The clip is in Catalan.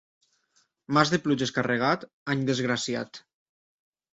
Març de pluges carregat, any desgraciat.